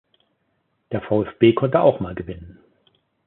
Der VfB konnte auch mal gewinnen.